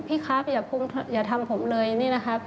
พี่ครับอย่าทำผมเลยนี่นะครับ